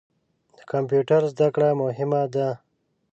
د کمپیوټر زده کړه مهمه ده.